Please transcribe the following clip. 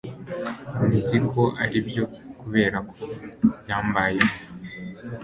nzi ko aribyo 'kuberako byambayeho